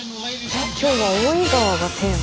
今日は大井川がテーマ？